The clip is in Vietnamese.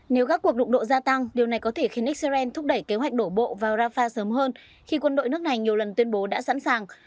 nếu các cuộc đụng độ gia tăng điều này có thể khiến israel thúc đẩy kế hoạch đổ bộ vào rafah sớm hơn khi quân đội nước này nhiều lần tuyên bố đã sẵn sàng